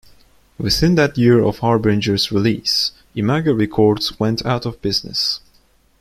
Within that year of "Harbinger"'s release, Imago Records went out of business.